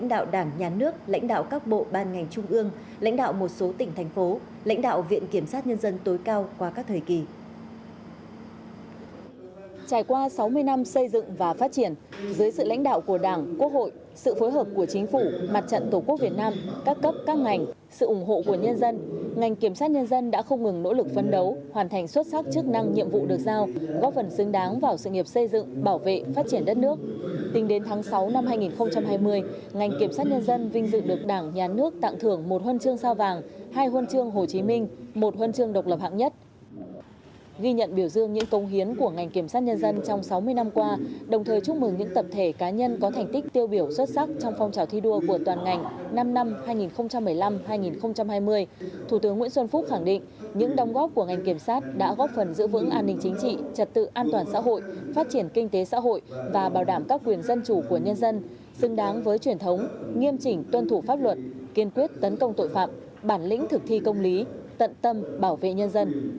trong những thành tích tiêu biểu xuất sắc trong phong trào thi đua của toàn ngành năm năm hai nghìn một mươi năm hai nghìn hai mươi thủ tướng nguyễn xuân phúc khẳng định những đồng góp của ngành kiểm sát đã góp phần giữ vững an ninh chính trị trật tự an toàn xã hội phát triển kinh tế xã hội và bảo đảm các quyền dân chủ của nhân dân dưng đáng với truyền thống nghiêm chỉnh tuân thủ pháp luật kiên quyết tấn công tội phạm bản lĩnh thực thi công lý tận tâm bảo vệ nhân dân